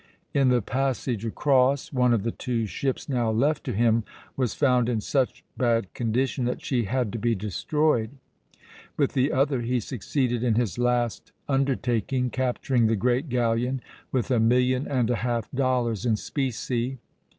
In the passage across, one of the two ships now left to him was found in such bad condition that she had to be destroyed. With the other he succeeded in his last undertaking, capturing the great galleon with a million and a half dollars in specie.